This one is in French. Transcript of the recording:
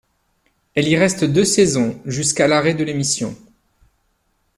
Elle y reste deux saisons, jusqu'à l'arrêt de l'émission.